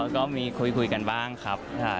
ก็มีคุยกันบ้างครับ